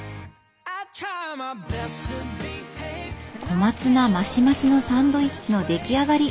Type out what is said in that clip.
小松菜マシマシのサンドイッチの出来上がり。